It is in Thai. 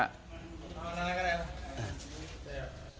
อ้าวน้องผู้หญิงในคลิปนี้